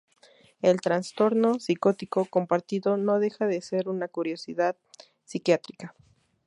El trastorno psicótico compartido no deja de ser una curiosidad psiquiátrica.